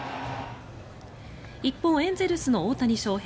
一方、エンゼルスの大谷翔平。